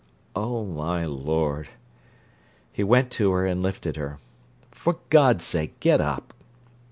"Oh, my Lord!" He went to her, and lifted her. "For God's sake, get up!